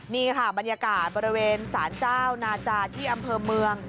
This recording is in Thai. นี่ค่ะบรรยากาศบริเวณสารเจ้านาจาที่อำเภอเมือง